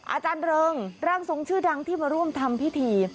อาจารย์เริงร่างทรงชื่อดังที่มาร่วมทำพิธี